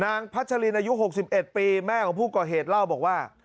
พัชลินอายุ๖๑ปีแม่ของผู้ก่อเหตุเล่าบอกว่า